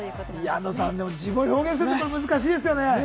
安藤さん、自分を表現するって難しいですよね。